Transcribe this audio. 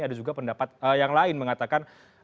ada juga pendapat yang lain mengatakan